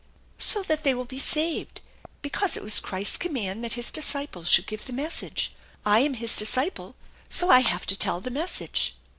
"So that they will be saved. Because it was Christ's command that His disciples should give the message. I am (Bis disciple, so I have to tell the message."